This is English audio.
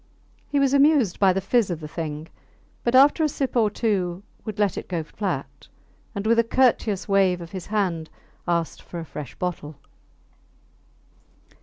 He was amused by the fizz of the thing, but after a sip or two would let it get flat, and with a courteous wave of his hand ask for a fresh bottle.